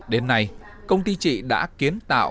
đến nay công ty chị đã kiến tạo